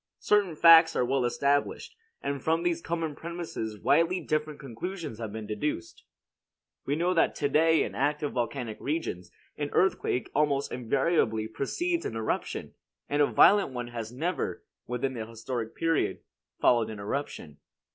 Certain facts are well established; and from these common premises widely different conclusions have been deduced. We know to day that in active volcanic regions, an earthquake almost invariably precedes an eruption; and a violent one has never, within the historic period, followed an eruption.